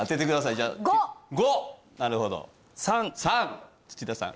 ５５なるほど３３土田さん